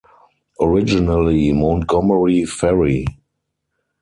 Originally Montgomery Ferry.